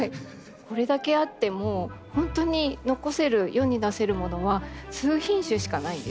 これだけあっても本当に残せる世に出せるものは数品種しかないんです。